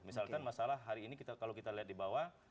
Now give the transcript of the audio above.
misalkan masalah hari ini kalau kita lihat di bawah